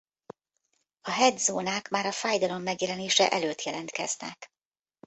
A Head-zónák már a fájdalom megjelenése előtt jelentkeznek.